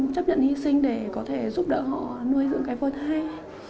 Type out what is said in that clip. chấp nhận hy sinh để có thể giúp đỡ họ nuôi dưỡng cái phôi thai